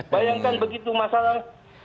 bayangkan begitu masalah